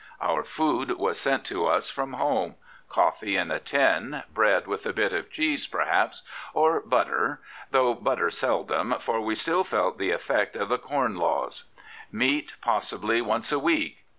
Our food was sent to us from home — coffee in a tin, bread with a bit of cheese, perhaps, or butter, though butter seldom, for we stiff felt the effect of the Corn xoo Dr. Clifford Laws. Meat possibly once a week."